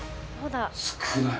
少ない！